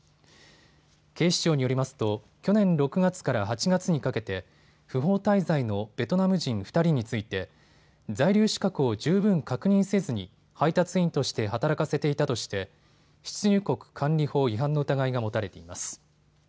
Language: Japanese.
警視庁によりますと去年６月から８月にかけて不法滞在のベトナム人２人について在留資格を十分確認せずに配達員として働かせていたとして出入国管理法違反の疑いが持たれています。